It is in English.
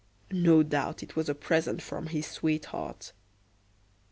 No doubt it was a present from his sweetheart.